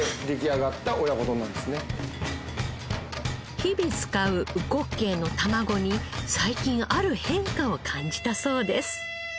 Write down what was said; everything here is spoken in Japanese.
日々使ううこっけいの卵に最近ある変化を感じたそうです。